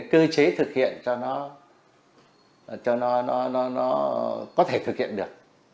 cơ chế thực hiện cho nó có thể thực hiện được